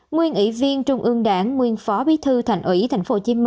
nguyên ủy viên trung ương đảng nguyên phó bí thư thành ủy tp hcm